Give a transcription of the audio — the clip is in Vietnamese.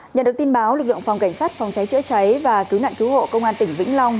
nhận được tin báo lực lượng phòng cảnh sát phòng cháy chữa cháy và cứu nạn cứu hộ công an tỉnh vĩnh long